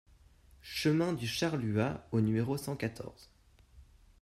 Chemin de Charluat au numéro cent quatorze